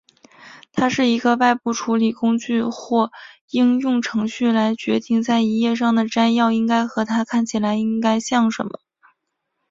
它是一个外部处理工具或应用程序来决定在一页上的摘要应该和它看起来应该像什么。